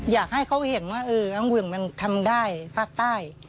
อยากให้เขาเห็นว่าน้องเหวี่ยงมันทำได้ภาคใต้